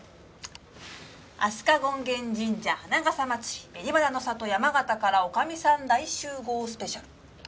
『飛鳥権現神社花笠祭り紅花の里・山形から女将さん大集合スペシャル！』。